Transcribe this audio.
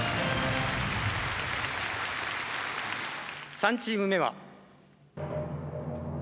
３チーム目は。